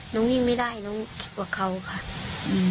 น้องวิ่งไม่ได้น้องคิดว่าเขาค่ะอืม